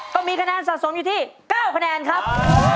ก็มีคะแนนสะสมอยู่ที่๙คะแนนครับ